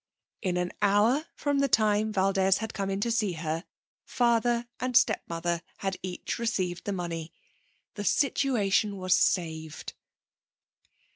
In an hour from the time Valdez had come in to see her, father and stepmother had each received the money. The situation was saved.